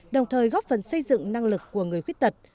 đồng thời góp phần xây dựng năng lực của người khuyết tật